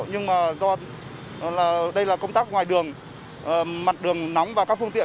nhưng mà do đây là công tác ngoài đường mặt đường nóng và các phương tiện